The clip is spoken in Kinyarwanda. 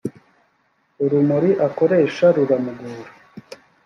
urumuri akoresha ruramugora.